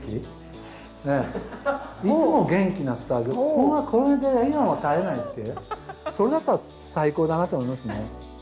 ここが笑顔が絶えないってそれだったら最高だなって思いますね。